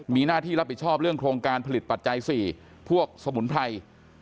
มีหน้าที่รับผิดชอบเรื่องโครงการผลิตปัจจัย๔พวกสมุนไพร